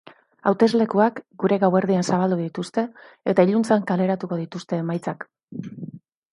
Hauteslekuak gure gauerdian zabaldu dituzte eta iluntzean kaleratuko dituzte emaitzak.